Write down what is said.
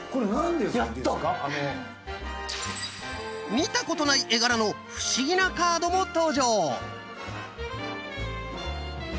見たことない絵柄の不思議なカードも登場！